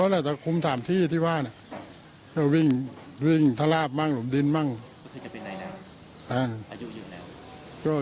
มารู้จักทีแรกที่เดี๋ยวที่เขาก็พามารู้จักแค่นั้นแหละ